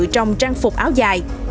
trong trang phục áo dài